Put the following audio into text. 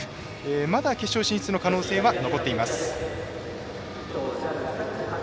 まだ決勝進出の可能性は残っています。